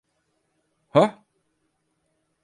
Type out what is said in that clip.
Hah?